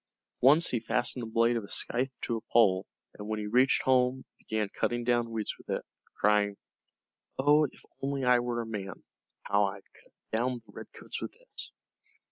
Once he fastened the blade of a scythe to a pole, and when he reached home began cutting down weeds with it, crying, "Oh, if only I were a man, how I'd cut down the Redcoats with this!"